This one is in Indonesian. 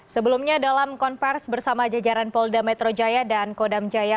sebelumnya dalam konversi bersama jajaran polda metro jaya dan kodam jaya